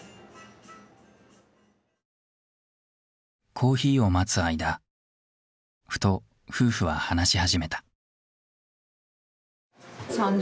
コーヒーを待つ間ふと夫婦は話し始めた。